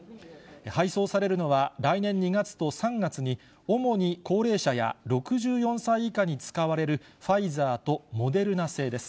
配送されるのは、来年２月と３月に、主に高齢者や６４歳以下に使われるファイザーとモデルナ製です。